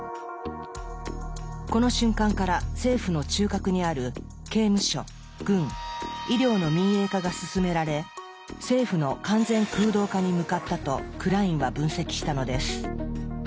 この瞬間から政府の中核にある刑務所軍医療の民営化が進められ「政府の完全空洞化」に向かったとクラインは分析したのです。